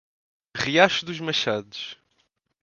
Riacho dos Machados